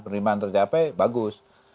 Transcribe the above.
penerimaan tercapai bagus